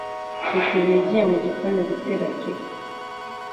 Petero yagiye mu gikoni gutera firigo